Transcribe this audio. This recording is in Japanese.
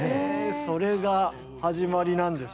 それが始まりなんですね。